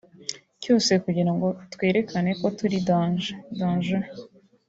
cyose kugira ngo twerekane ko turi danje (danger)